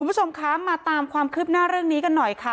คุณผู้ชมคะมาตามความคืบหน้าเรื่องนี้กันหน่อยค่ะ